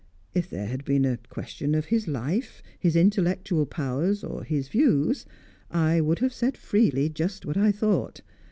If there had been a question of his life, his intellectual powers, his views I would have said freely just what I thought.